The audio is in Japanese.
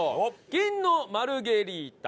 金のマルゲリータ